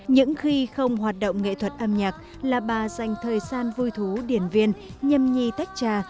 những khi không hoạt động nghệ thuật âm nhạc là bà dành thời gian vui thú điển viên nhầm nhì tách trà